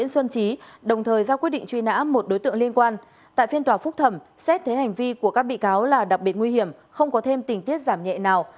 xét thế hành vi của các bị cáo là đặc biệt nguy hiểm không có thêm tình tiết giảm nhẹ nào